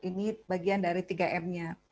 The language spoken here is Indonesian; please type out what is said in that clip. ini bagian dari tiga m nya